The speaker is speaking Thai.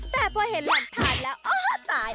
แปบว่าเห็นล่างผ่านแล้วโอ้วตาย